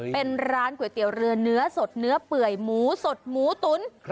เป็นร้านก๋วยเตี๋ยวเรือเนื้อสดเนื้อเปื่อยหมูสดหมูตุ๋น